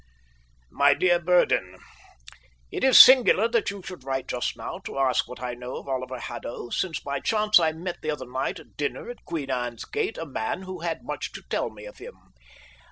My dear Burdon: It is singular that you should write just now to ask what I know of Oliver Haddo, since by chance I met the other night at dinner at Queen Anne's Gate a man who had much to tell me of him.